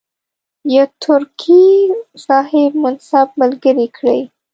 یو ترکي صاحب منصب ملګری کړي.